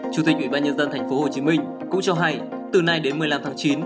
chủ tịch ủy ban nhân dân thành phố hồ chí minh cũng cho hay từ nay đến một mươi năm tháng chín